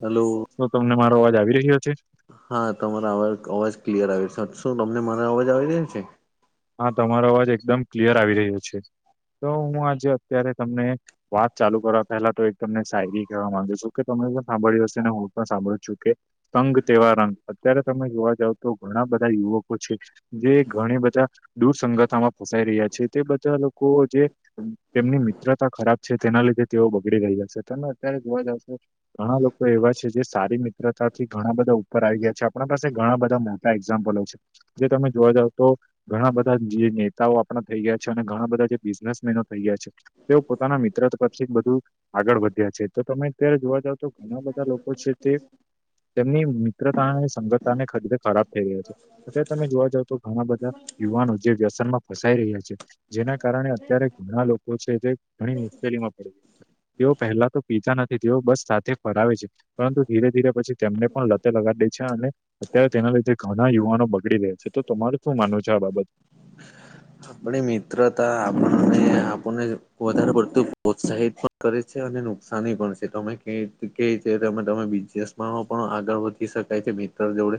Hello. શું તમને મારો અવાજ આવી રહ્યો છે? હા તમારા અવાજ અવાજ ક્લિયર આવે છે. શું તમને મારે અવાજ આવી રહાય છે? હા તમારો અવાજ એકદમ ક્લિયર આવી રહ્યો છે. તો હું આજે અત્યારે તમને વાત ચાલુ કરવા પહેલા તો એક તમને સાયરી કહેવા માંગુ શું કે તમને પણ સાંભળ્યું હશે ને હું પણ સાંભળું છું કે તંગ તહેવા રંગ અત્યારે તમે જોવા જાવ તો ઘણા બધા યુવકો છે જે ઘણી બધા દૂર સંગથામાં ફસાઈ રહ્યા છે તે બધા લોકો જે તેમની મિત્રતા ખરાબ છે. તેના લીધે તેઓ બગડી રહીયા છે તમે અત્યારે જોવા જ તો ઘણા લોકો એવા છે જે સારી મિત્રતાથી ઘણા બધા ઉપર આવી ગયા છે આપણા પાસે ઘણા બધા નામ એક્ઝામ્પલો છે. જે તમે જોવા જાવ તો ઘણા બધા જે નેતાઓ આપણા થઇ ગયા છે અને ઘણા બધા જે બિઝનેસમેનો થઈ ગયા છે તેઓ પોતાના મિત્ર તરફથી બધું આગળ વધ્યા છે તો તમે અત્યારે જોવા જાવ તો ઘણા બધા લોકો છે તે તેમની મિત્રતા અને સંગતતા ને ખરીતે ખરાબ થઈ રહ્યો છે. અ તમે જોવા જાવ તો ઘણા બધા યુવાનો જે વ્યસન માં ફસાઈ રહ્યા છે. જેના કારણે અત્યારે ઘણા લોકો છે જે ઘણી મુશ્કેલીમાં પડી છે. તેઓ પહેલા તો પીતા નથી તેઓ બસ સાથે ફરાવે છે. પરંતુ ધીરે ધીરે પછી તેમને પણ લતે લગાડી દે છે અને અત્યારે તેના લીધે ઘણા યુવાનો બગડી રહ્યા છે, તો તમારું શું માનવું છે આ બાબત? આપણી મિત્રતા આપણને આપણને વધારે પડતું પ્રત્સાહિત કરે છે અને નુકસાની પણ છે તમે કે રી તમે તમે બિઝનેસ પણ આગળ વધી રી શકાય છે મિત્ર જેવે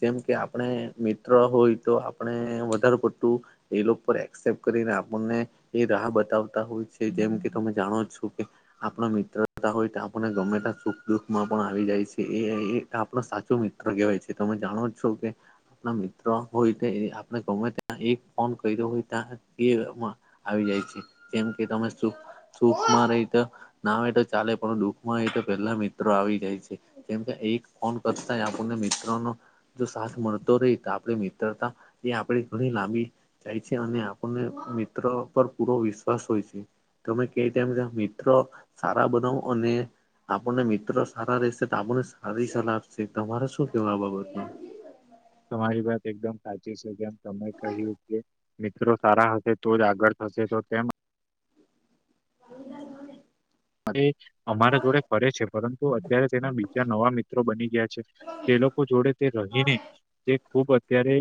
જેમ કે આપણે મિત્ર હોય તો આપણે વધારે પડતું એ લોકો પર એક્સેપ્ટ કરીને આપણને એ રાહ બતાવ તા હોય છે જેમ કે તમે જાણો છો કે આપણ મિત્રતા હોય તો આપણને ગમે ત સુખ દુખ માં પણ આવી જાય છે એ આપણો સાચો મિત્ર કેવાય છે તમે જાણો છો કે આપણા મિત્ર હોય આપને ગમે ત્યાં એક ફોન કર્યો હોય આવી જાય છે જેમ કે તમે શું સુખમાં રહી તો ના આવે તો ચાલે પણ દુઃખમાં ર તો પેલા મિત્રો આવી જાય છે કેમ કે એક ફોન કરતા આપણને મિત્રનો જો સાથ મળતો રહી તો આપણે મિત્રતા એ આપણે ઘણી લાંબી જાય છે અને આપણને મિત્ર પર પૂરો વિશ્વાસ હોય છે તમે કે તેમ છે મિત્રો સારા બનાવ અને આપણને મિત્રો સારા રહેશે તો આપણને સારી સલાહ આપશે તમારે શું કેવું આ બાબતનું? તમારી વાત એકદમ સાચી છે જેમ તમે કહ્યું કે મિત્રો સારા હશે તો જ આગળ થશે તો તેમ [inaudible] અમારા જોડે ફરે છે પરંતુ અત્યારે તેના બીજા નવા મિત્રો બની ગયા તે લોકો જોડે તે રહીને તે ખુબ અત્યારે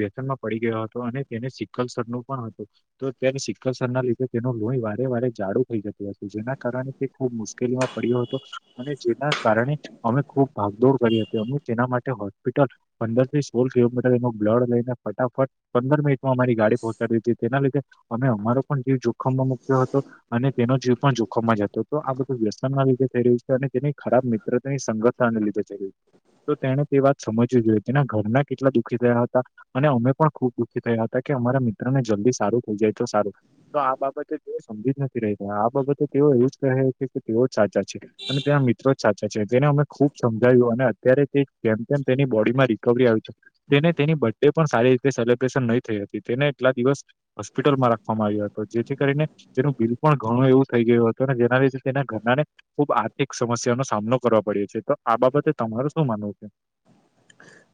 વ્યતનમાં પડી ગયો હતો અને તેને સિકખલસરનું પણ હતું તો તેને શિક્સ ના લીધે તેનું લોહી વારે વારે જાડુ થઈ જતું હતું જેના કારણે તે ખૂબ મુશ્કેલીમાં પડ્યો હતો અને જેના કારણે અમે ખુબ ભાગદોડ કરી હતી અ તેના માટે હોસ્પિટલ પંદર થી સોળ કિલોમીટર એનો બ્લડ લઈને ફટાફટ પંદર મિનિટમાં અમારી ગાડી પહોંચાડી હતી તેના લીધે અમે અમારો પણ જીવ જોખમમાં મુક્યો હતો અને તેનો જે પણ જો ખમાં જ હતો તો આ બધું વ્યસન ના લીધે થઈ રહ્યું છે અને તેની ખરાબ મિત્રતાની સંગથનને લીધે થઈ રહ્યું છે તો તેને તે વાત સમજવી જોઈએ તેના ઘરના કેટલા દુખી થયા હતા અને અમે પણ ખુબ છી થયા હતા કે અમારા મિત્ર ને જલ્દી સારું થઈ જાય તો સારું તો આ બાબતે તેઓ સમજી જ નથી રહીતા આ બાબતે તેઓ એવું જ કહે છે કે તેઓ સાચા છે અને ત્યાં મિત્રો જ સાચા છે તેને અમે ખુબ સમજાવ્યું અને અત્યારે તે કેમ કેમ તેની બોડી માં રિકવરી આવી છે. તેને તેની બર્થ ડે પણ સારી રીતે સેલિબ્રેશન નહી થઈ હતી તેને એટલા દિવસ હોસ્પિટલમાં રાખવામાં આવ્યો હતો જેથી કરીને તેનું બિલ પણ ઘણું એવું થઈ ગયો હતો ને જેના વિશે તેના ઘરના ને ખુબ આર્થિક સમસ્યા નો સામનો કરવા પડ્યો છે તો આ બાબતે તમાર શું માનવું છે?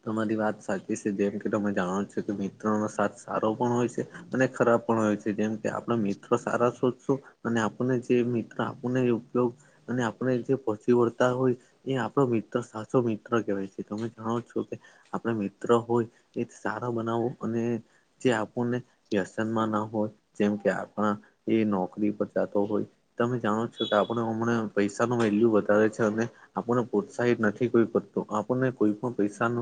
તમારી વાત સાચી છે જેમ કે તમે જાણો છો કે મિત્રનો સાથ સારો પણ હોય છે અને ખરાબ પણ હોય છે જેમ કે આપણા મિત્રો સારા શોધશું અને આપણને જે મિત્ર આપણને ઉપયોગ અને આપણે જે પહોચી વળતા હોય એ આપડો મિત્ર સાચો મિત્ર કહેવાય છે તમે જાણો છો કે આપણે મિત્ર હોય એ સારા બનાવો અને જે આપણને વ્યસનમાં ના હોય જેમ કે આપણા એ નોકરી પર જાતો હોય છે તમે જાણો છો કે આપડે હમણાં પૈસા ન વેલ્યુ વધારે છે અને આપણને પ્રોત્સાહિત નથી કરી પડતું આપણને કોઈ પણ પૈસા ન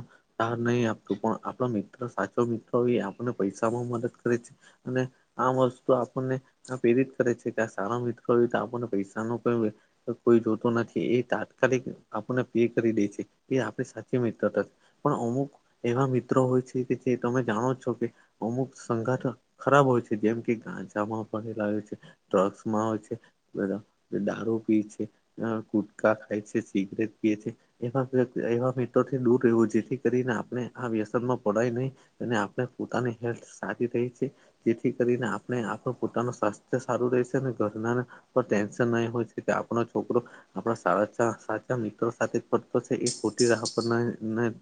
[unintelligible] નહી આપતું પણ આપણા મિત્ર સાચો મિત્ર એ આપને પૈસા માં મદદ કરે છે અને આ વસ્તુ આપણને પેવિત કરે છે કે આ સારા મી તો આપણને પૈસા નો પણ કોઈ જોતું નથી એ તાત્કાલિક આપણને પે કરી દે છે એ આપણી સાચી મિત્રતા પણ અમુક એવા મિત્રો હોય છે કે જે તમે જાણો છો કે અમુક સંગઠ ખરાબ હોય છે જેમ કે ગાંજામાં પડલા હોય છે ડ્રગ્સમાં હોય છે બરા દારૂ પી છે અ ઘુટકા ખાય છે સિગરેટ પીએ છે એવા બી એવા થી દૂર રહેવું જેથી કરીને આપણે આ વ્યસન માં પડાય નહી અને આપણે પોતાની હેલ્થ સારી રહી છે જેથી કરીને આપણે આપણ પોતાનું સ્વાસ્થ્ય સારું રહેશે અને ઘરના ટેનશન ન મા હોય છે કે આપણો છોકરો આપણા સા સાચા મિત્રો સાથે પડતો છે એ ખોટી રાહ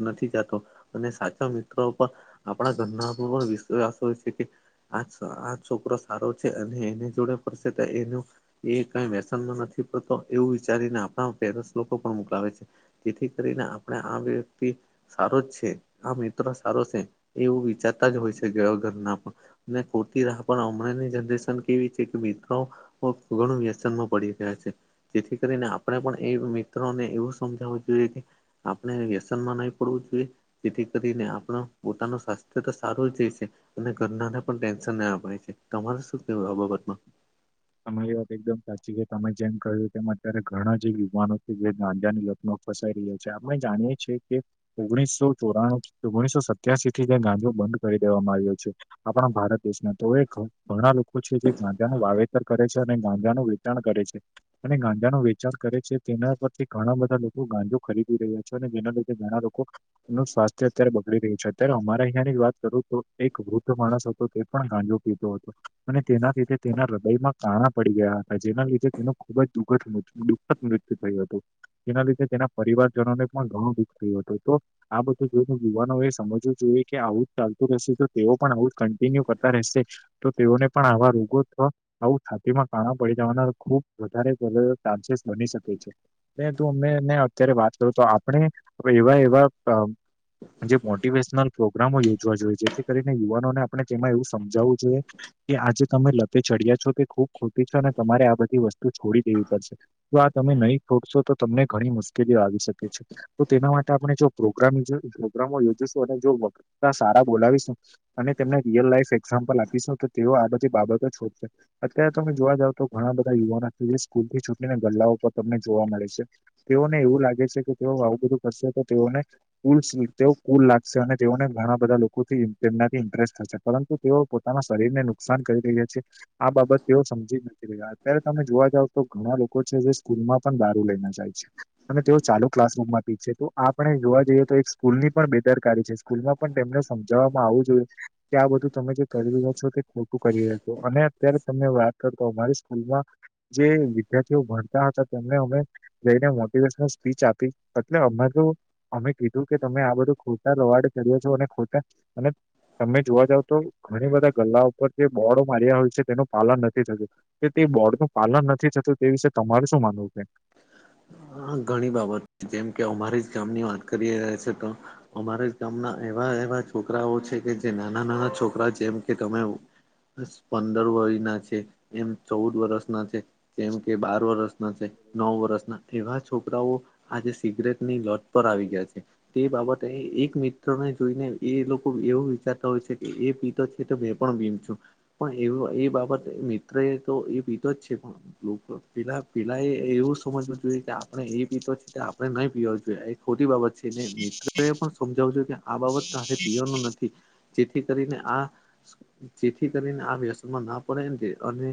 નથી જતો અને સાચા મિત્રો પણ આપણા ધરનામાં પણ વિશ્વાસ હોય છે કે આ આ છોકરો સારો છે અને એની જોડે ફડશે તો એનું એ કઈ વ્યસનમાં નથી પડતો એવું વિચારીને આપણા પેરસ લોકો પણ મોકલાવે છે જેથી કરીને આપણે આ વ્યક્તિ સારો જ છે આ મિત્ર સારો છે એવું વિચારતા જ હોય છે ઘણા ઘરના પણ ને ખોતી રાહ પણ હમણાંની જનરેશન કેવી છે કે મિત્રો ઘણું વ્યસનમાં પડી રહ્યા છે જેથી કરીને આપણે પણ એ મિત્રોને એવું સમજાવવું જોઈએ કે આપણે વ્યસનમાં નહી પડવું જોઈએ જેથી કરીને આપણો પોતાનું સ્વાસ્થ્ય તો સારું રહેશે અને ઘરના ને પણ ટેન્શન ના અપાય છે તમારે શું કેવું આ બાબતમાં તમારી એ વાત એકદમ સાચી છે તમે જેમ કહ્યું તેમ અત્યારે ઘણા જે યુવાનો છે જે ગાંદ્યાની લત ફસાઈ રહ્યો છે આપણે જાણીએ છીએ કે ઓગણીસો ચોરાણું ઓગણીસો સત્યાસી થી જે ગાંજો બંધ કરી દેવામાં આવ્યો છે આપણા ભારત દેશના તોવે ઘણા લોકો છે જે ગાંધા ને વાવે કરે છે અને ગાઝા નું વેચાણ કરે છે અને ગાંજાનું વેચાણ કરે છે તેના પરથી ઘણા બધા લોકો ગાંજો ખરીદી રહ્યા છે અને જેના લીધે ઘણા લોકો નું સ્વાસ્થ્ય અત્યારે બગડી રહ્યું છે અત્યારે અમારે અહીંયાની જ વાત કરું તો એક વૃદ્ધ માણસ તે પણ ગાંજો પીધો હતો અને તેનાથી તેના બેમાં કાણા પડી ગયા હતા જેના લીધે તેનું ખુબ જ દુઃખ દુઃખદ મૃત્યુ થયુ હતું જેના લીધે તેના પરિવારજનોને પણ ઘણું દુઃખ થયું હતું તો આ બધું જો યુવાનો એ સમજવું જોઈએ કે આઉટ ચાલતું રહેશે તો તેઓ પણ આઉટ કન્ટિન્યુ કરતા રહેશે તો તેઓને પણ આવા રોગોમાં આવું છાતીમાં કાણા પડી જવાના ખુબ વધારે ચાન્સીસ બની શકે છે તું અમે ને અત્યારે વાત કરું તો આપણે એવા એવા જે મોટિવેશનલ પ્રોગ્રામો યોજવા જોઈએ જેથી કરીને યુવાનોને આપણે તેમાં એવું સમજાવવું જોઈએ કે આજે તમે લપે ચડ્યા છો કે ખુબ ખોટી છો અને તમારે આ બધી વસ્તુ છોડી દેવી પડશે જો આ તમે નહીં ખોડશો તો તમને ઘણી મુશ્કેલીઓ આવી શકે છે તો તેના માટે આપણે જો પ્રોગ્રામ પ્રોગ્રામો યોજીશું અને જો વકતા સારા બોલાવીશું અને તેમને રિયલ લાઈફ એક્ઝામ્પલ આપીશું તો તેઓ આ બધી બાબતો છોડશે અત્યારે તમે જોવા જાવ તો ઘણા બધા યુવાનો જે સ્કૂલ ચૂંટણી ના ગલ્લાઓ પર તમને જોવા મળે છે તેઓને એવું લાગે છે કે તેઓ આવું બધું કરશે તો તેઓને કુલ તે કુલ લાગ અને તેઓને ઘણા બધા લોકોથી તેમનાથી ઇન્ટરેસ્ટ થશે પરંતુ તેઓ પોતાના શરીરને નુકસાન કરી રહ્યા છે આ બાબત તેઓ સમજી નથી રહ્યા અત્યારે તમે જોવા જાવ તો ઘણા લોકો છે જે સ્કૂલમાં પણ દારૂ લઈને જાય છે અને તેઓ ચાલુ ક્લાસરૂમમાં પીએ છે તો આપણે જોવા જઈએ તો એક સ્કૂલની પણ બેદરકારી છે સ્કૂલમાં પણ તેમને સમજવામાં આવવું જોઈએ કે આ બધું તમે જે કરી રહ્યા છો તે ખોટું કરી રહા છો અને અત્યારે તમને વાત કરતો અમારી સ્કૂલમાં જે વિદ્યાર્થીઓ ભણતા હતા તેમને અમે જઈને મોટિવેશન સ્પીચ આપી એટલે અમે તો અમે કીધું કે તમે આ બધું ખોટા લોવાર્ડ કર્યા છો અને ખોટા અને તમે જોવા જાવ તો ઘણી બધા ગલ્લા ઉપર જે બોડો માર્યા હોય છે તેનું પાલન નથી થતું કે તે બોર્ડનું પાલન નથી થતું તે વિશે તમારે શું માનવું છે હા ઘણી બાબત છે. જેમ કે અમારી જ ગામની વાત કરી્યા છે, તો અમારા ગામના એવા એવા છોકરાઓ છે, કે જે નાના નાના છોકરા જેમ કે તમે પંદર વય ના છે. એમ ચૌદ વર્ષના છે. જેમ કે બાર વર્સના છે. નવ વર્ષના એવા છોકરાઓ આજે સિગરેટ ની લટ પર આવી ગયા છે. તે બાબતે એક મિત્રને જોઈને એ લોકો એવું વિચારતા હોય છે. કે એ પિ એ તો મે પણ બીમ છું પણ એ એ બાબત મિત્ર એ તો એ પીધ જ છે પણ પેલા પેલા એ એવું સમજમાં જોઈએ કે આપણે એ પીતો છ છેએ આપણે નહીં પીવા જોઈએ એ ખોટી બાબત છેને. મિત્રો એ પણ સમજાવુંજું કે આ બાબત પીવાનું નથી જેથી કરીને આ ચીઠથી કરીને આ વ્યસનમાં ના પડે એ અને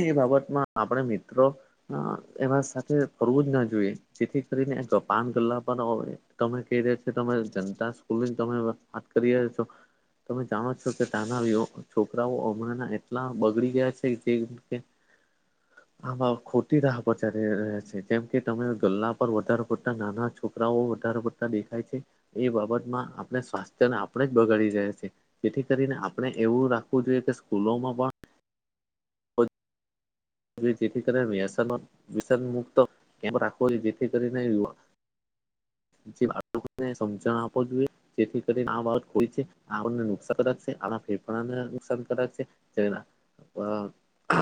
એ બાબતમાં આપણે મિત્રો એમાં ફરવું જ ના જોઈએ જેથી કરીને આપાન ગલ્લા પર તમે કહી રહ્યા છો. તમે જનતા સ્કૂલની તમે વાત કરી રહ છો તમે જાણો છો. કે ત્યાંના છોકરાઓ હમણાં એટલા બગડી ગયા છેજે. કે આમાં ખટી રા પચારે રહ જેમ કે તમે ગલ્લા પર વધારે પડતા નાના છોકરાઓ વધારે પડતા દેખાય છે. એ બાબતમાં આપણે સ્વાસ્થ્યને આપણે જ બગાડી જાયીએ જેથી કરીને આપણે એવું રાખવું જોઈએ, કે સ્કૂલોમાં પણ હ થી કરીને વ્યસ મુક્ત રાખવો જો જેથી કરીને બાળકોને સમજણ આપો જોઈએ જેથી કરીને આ બાબત કોઈ છે, આગને નુકસાન કરક છે ફેફારને નુકસાન કરક છે. શના અ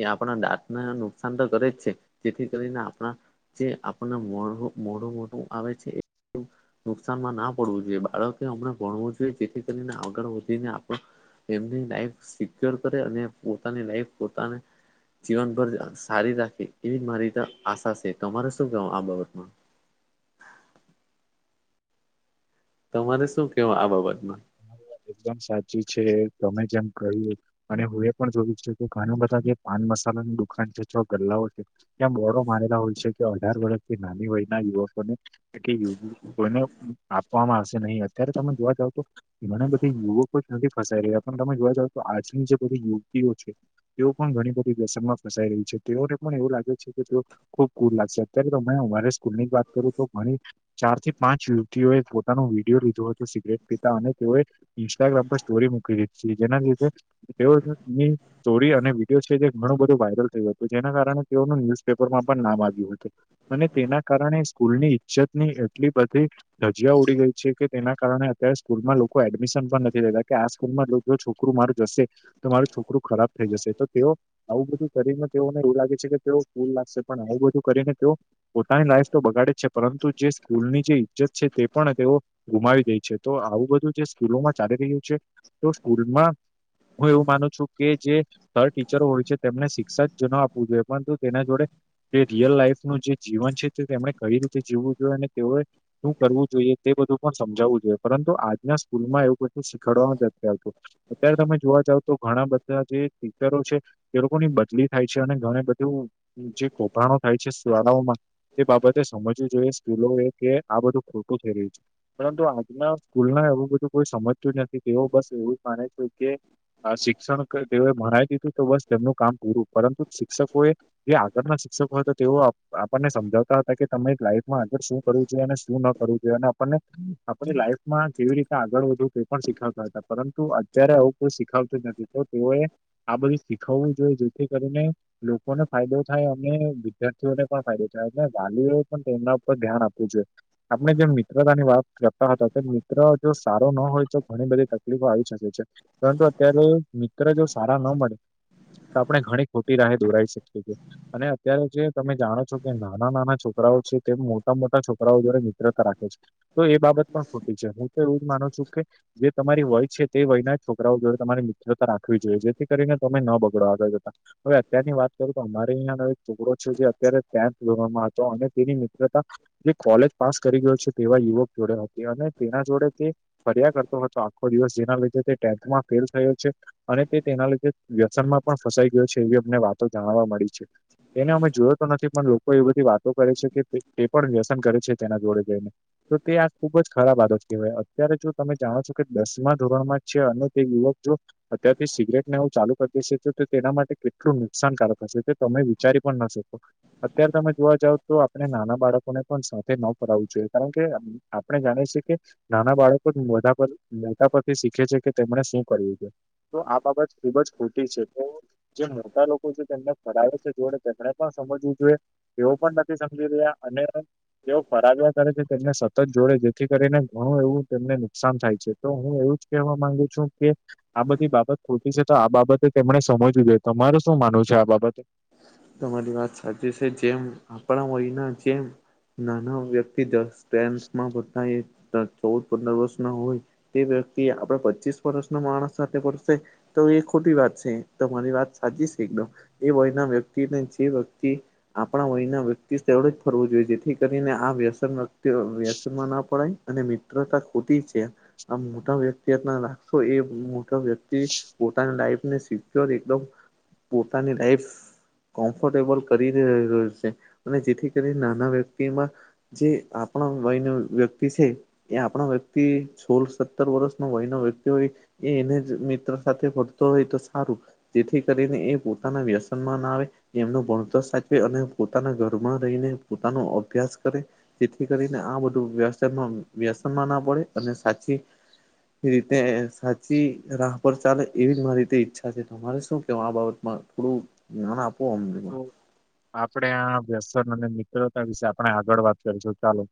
એ આપણા દાંતના નુકસાન તો કરે જ છે. જેથી કરીને આપણા જે આપણને મો મોઢું મોટું આવે છે. એ નુકસાનમાં ના પડવું જોઈએ બાળકેમ ભણવું જોઈએ જેથી કરીને આગળ વધીને આપ એમની લાઈફ સિક્યોર કરે અને પોતાની લાઈફ પોતાને જીવનભર સારી રાખે એવી મારી ત આશા છે. તમારે શું ક આ બાબતમાં તમારે શું કેવા આ બાબતમા મારી વાત એકદમ સાચી છે. તમે જેમ કહ્યું અને હું એ પણ જોયું છું કે ઘણું બધા કે પાન મસાલાનુંની દુકાન છે. છ ગલ્લાઓ છે. ત્યાં મોોરો મારેલા હોય છે. કે અઢાર વર્ષથી નાની વયના યુવકોને એ યુગ કોઈને આપવામાં હશે નહી, અત્યારે તમે જોવા જાવ તો એ મને બધી યુવકો જ નથી ફસાઈ રહ્યા પણ તમે જોવા જાવ તો આજની જે બધી યુવતીઓ છે. તેઓ પણ ઘણી બધી વસમમાં ફસાઈ રહી છે. તેઓને પણ એવું લાગે છે કે ખુબ કુ લાગશે અત્યારે તો અમારે સ્કૂલ ની જ વાત કરું તો ઘણી ચાર થી પાંચ યુવતીઓએ પોતાનો વિડીિયો લીધો હતોું સિગરેટ પીતા અને તેઓએ ઇન્સ્ટાગ્રામ પર સ્ટોરી મૂકી દીધી છે જેના લીધે તેઓની સ્ટોરી અને વિડીયો છે જે ઘણું બધું વાયરલ થયું હતું જેના કારણે તેઓનું ન્યુઝપેપરમાં પણ નામ આવ્યું હતુ અને તેના કારણે સ્કૂલની ઈજ્જત ની એટલી બધી ધજીયા ઉડી ગઈ છે. કે તેના કારણે અત્યારે સ્કૂલમાં લોકો કોઈ એડમિશન પણ નથી લેતા કે આ સ્કૂલમાં છોકરું, મારું જશે તમા મારું છોકરું ખરાબ થઈ, જશે તો તેઓ આવું બધું કરીને તેઓને એવું લાગે છે, કે તેઓ ફૂલ લાગશે પણ આવું બધું કરીને તેઓ પોતાની લાઈફ તો બગાડે જ છે. પરંતુ જે સ્કૂલની જે ઈજ્જત છે, તે પણ તેઓ ગુમાવી દે છે તો આવું બધું જે સ્કૂલોમાં ચાલી રહ્યું છે. તો સ્કૂલમાં હું એવું માનું છુ. કે જે ત ટીચરો હોય છે. તેમને શિક્ષા જ ન આપવું જોઈએ પરંતુ તેના જોડે તે રિયલ લાઈફનુંું જે જીવન છે તે તેમણે કઈ રીતે જીવવું જોઈએ અને તેઓએ શું કરવું જોઈએ તે બધું પણ સમજાવવું જોઈએ પરંતુ આજના સ્કૂલ માં એવુંું શીખાડવા નથી હત અત્યારે તમે જોવા જાવ તો ઘણા બધા જે થેટરો છે એ લોકોની બદલી થાય છે અને ઘણી બધું જે કૌભાડો થાય છે શળાઓમાં તે બાબતે સમજવું જોઈએ સ્કૂલો એ કે આ બધું ખોટું થઈ રહ્યું છે પરંતુ આજના સ્કૂલ ના એવું બધું કોઈ સમજતું જ નથી તેઓ બસ એવું જ માને છે કે શિક્ષણ તેઓએ ભણાવ દી તું તો બસ તેમનું કામ પૂરું પરંતુ શિક્ષકો એ જે આગળના શિક્ષકો હતા તેઓ આપણને સમજાવતા હતા કે તમે લાઈફમાં આગળ શું કરવું જોઈએ અને શું ન કરવું જોઈએ આપણને આપ લાઈફમાં કેવી રી આગળ વધવ તે પણ શીખાવતા હતા પરંતુ અત્યારે આવું કોઈ શીખાવતું નથી તો તેઓએ આ બધું શીખવવું જોઈએ જેથી કરીને લોકોને ફાયદો થાય અને વિદ્યાર્થીઓને પણ ફાયદો થાય અને વાલીઓ પણ તેમના ઉપર ધ્યાન આપવું જોઈએ આપણે જેમ મિત્રતા ની વાત કરતા હતા મિત્ર જો સારો ન હોય તો ઘણી બધી તકલીફો આવી શકે છે પરંતુ અત્યારે મિત્ર જો સારા ન મળે તો આપણે ઘણી ખોટી રાહે દોરાવી શકીએ છીએ અને અત્યારે જે તમે જાણો છો કે નાના નાના છોકરાઓ છે તે મોટા મોટા છોકરાઓ દ્વારા મિત્રતા રાખે છે તો એ બાબત પણ ખોટી છે હું તો એવું જ માનું છું કે જે તમારી વય છે તે વયના છોકરાઓ જોડે તમારી મિત્રતા રાખવી જોઈએ જેથી કરીને તમે ન બગડો આવગળ જતા હવે અત્યારની વાત કરું તો અમારે અહીિયાં ન ટુકડો છે જે અત્યારે ત્યાં જ લવામાં આવે અને તેની મિત્રતા જે કોલેજ પાસ કરી ગયો છે તેવા યુવક જોડે હતી અને તેના જોડે ફર્યા કરતો હતો આખો દિવસ જેના લીધે તે ટેથમાં ફેલ થયો છે અને તે તેના લીધે વ્યસનમાં પણ ફસાઈ ગયો છે એવી અમને વાતો જાણવા મળી છે એને અમે જોયો તો નથી પણ લોકો એ બધી વાતો કરે છે કે તે પણ વ્યસન કરે છે તેના જોડે જોઈને તો તે આ ખુબ જ ખરાબ આદ કહેવાય અત્યારે જો તમે જાણો છો કે દસમા ધોરણ માં છે અને તે યુવક જો અત્યારથી સિગરેટને એવું ચાલુ કરી દેશે તો તેના માટે કેટલું નુકસાનકારક હશે તો તમે વિચારી પણ ના શકો અત્યારે તમે જોવા જાવ તો આપણે નાના બાળકોને પણ સાથે ન ફાવવું જોઈએ કારણ કે આપણે જાણીએ છે કે નાના બાળકો જ બધા પર તા પરથી શીખે છે કે તેમને શું કર્યું છે તો આ બાબત ખુબ જ ખોટી છે તો જે મોટા લોકો છે તેમને ફરાવેે છે જોડે તેમને પણ સમજવું જોઈએ તેઓ પણ નથી સમજી રહ્યા અને તેઓ ફરાગ્યા કરે છે તેમને સતત જોડે જેથી કરીને ઘણું એવું તેમને નુકસાન થાય છે તો હું એવું જ કેવા માંગુ છું કે આ બધી બાબત ખોટી છે તો આ બાબતે તેમણે સમજવું જોઈએ તમાર શું માવું છે આ બાબતે તમારી વાત સાચી છે જેમ આપણા હોયના જેમ નાના વ્યક્તિ દસ ટેન્થમાં બધા એક ચૌદ પંદર વર્ષ ના હોય તે વ્યક્તિ આપડ પચીસ વર્ષના માણસ સાથે પડશે તો એ ખોટી વાત છે તો મારી વાત સાચી છે એકદમ એ વયના વ્યક્તિને જે વ્યક્તિ આપણા વયના વ્યક્તિ જ ફરવું જોઈએ જેથી કરીને આ વ્યસનતિ વ્યસનમાં ના પડાય અને મિત્રતા ખોટી છે આમ મોટા વ્યક્તિત રાખશો એ મોટા વ્યક્તિ પોતાની લાઈફને સિક્યોર એકદમ પોતાની લાઈફ કોમ્ફર્ટેબલ કરી રહ્યો છે અને જેથી કરી નાના વ્યક્તિમાં જે આપણા વયનો વ્યક્તિ છે. એ આપણો વ્યક્તિ સોળ, સત્તર વર્ષ ન વયનો વ્યક્તિ હોય એ એને જ મિત્ર સાથે ભરતો હોય તો સારું જેથી કરીને એ પોતાના વ્યસનમાં ના આવે. એમનો ભણતર સાચે અને પોતાના ઘરમાં રહીને પોતાનો અભ્યાસ કરે, જેથી કરીને આ બધું વ્યવ વ્યવાનમાં ના અને સાચી રીતે સાચી રાહ પર ચાલે એવી જ મારી રીતે ઈચ્છા છે તમારે શું કે આ બાબત માં થોડું જ્ઞાન આપો અમને આપડે આ વ્યસન અને મિત્રતા વિશે આપણે આગળ વાત કરીશું, ચાલો